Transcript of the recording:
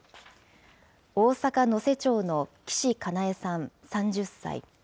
大阪・能勢町の岸加奈恵さん３０歳。